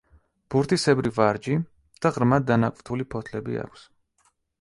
ბურთისებრი ვარჯი და ღრმად დანაკვთული ფოთლები აქვს.